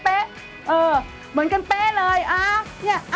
ไปตรงนี้